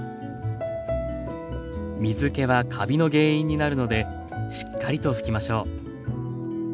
水けはカビの原因になるのでしっかりと拭きましょう。